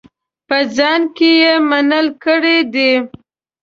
په ځان کې یې منحل کړي دي.